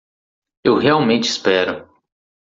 Eu realmente espero